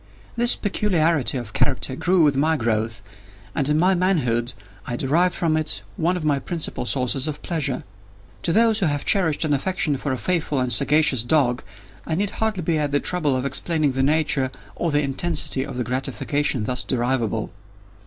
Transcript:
This peculiarity of character grew with my growth, and in my manhood, I derived from it one of my principal sources of pleasure. To those who have cherished an affection for a faithful and sagacious dog, I need hardly be at the trouble of explaining the nature or the intensity of the gratification thus derivable.